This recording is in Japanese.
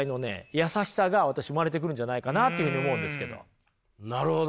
優しさが私生まれてくるんじゃないかなというふうに思うんですけど。